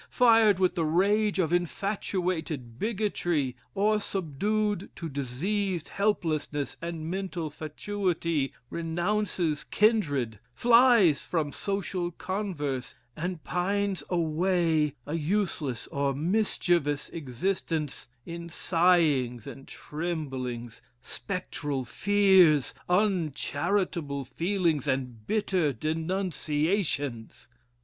fired with the rage of infatuated bigotry, or subdued to diseased helplessness and mental fatuity, renounces kindred, flies from social converse, and pines away a useless or mischievous existence in sighings and tremblings, spectral fears, uncharitable feelings and bitter denunciations!